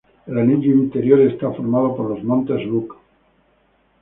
El anillo interior está formado por los Montes Rook.